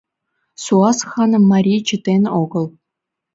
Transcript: Суас ханым марий чытен огыл.